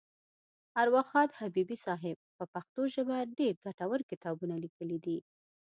اروا ښاد حبیبي صاحب په پښتو ژبه ډېر ګټور کتابونه لیکلي دي.